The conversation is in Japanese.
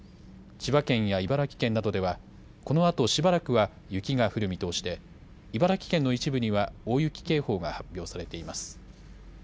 千葉県や茨城県などでは、このあとしばらくは雪が降る見通しで、茨城県の一部には大雪警報が発表されています。